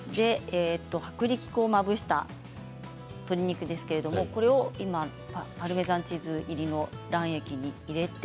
薄力粉をまぶした鶏肉ですけれど、これをパルメザンチーズ入りの卵液に入れて。